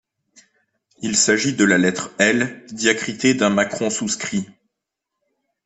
Il s'agit de la lettre L diacritée d'un macron souscrit.